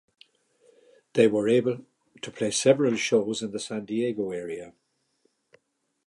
They were able to play several shows in the San Diego area.